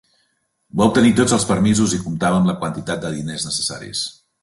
Va obtenir tots els permisos i comptava amb la quantitat de diners necessaris.